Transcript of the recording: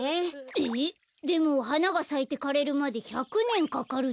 えっでもはながさいてかれるまで１００ねんかかるって。